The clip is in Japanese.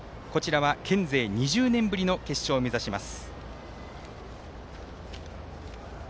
県勢２０年ぶりの決勝を目指します。